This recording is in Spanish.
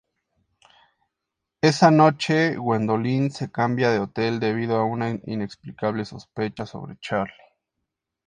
Esa noche, Gwendolyn se cambia de hotel debido a una inexplicable sospecha sobre Charlie.